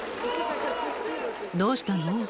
どうしたの？